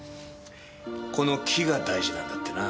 この木が大事なんだってな。